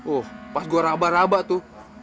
uh pas gue raba raba tuh